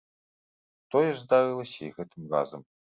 Тое ж здарылася і гэтым разам.